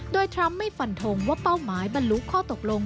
โดยทรัมป์ไม่ฝันทงว่าเป้าหมายบรรลุข้อตกลง